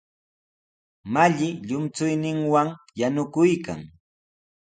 Malli llumchuyninwan yanukuykan.